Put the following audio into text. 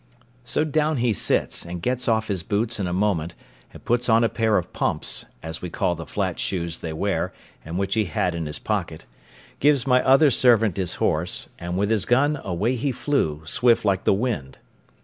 So down he sits, and gets off his boots in a moment, and puts on a pair of pumps (as we call the flat shoes they wear, and which he had in his pocket), gives my other servant his horse, and with his gun away he flew, swift like the wind.